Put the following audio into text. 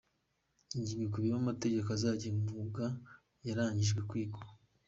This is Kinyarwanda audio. Iyi nyigo ikubiyemo amategeko azagenga umwuga yarangijwe kwigwa.